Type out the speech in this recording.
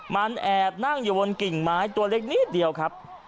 มันแอบนั่งอยู่บนกิ่งไม้ตัวเล็กนิดเดียวครับ